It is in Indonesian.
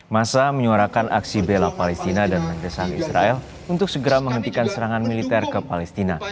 masa menyuarakan aksi bela palestina dan mendesaan israel untuk segera menghentikan serangan militer ke palestina